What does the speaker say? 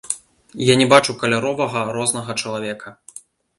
Я не бачу каляровага рознага чалавека.